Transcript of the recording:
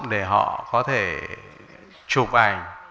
để họ có thể chụp ảnh